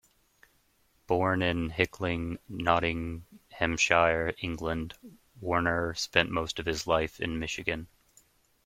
Born in Hickling, Nottinghamshire, England, Warner spent most of his life in Michigan.